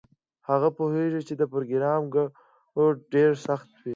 هغه پوهیږي چې د پروګرام کوډ ډیر سخت وي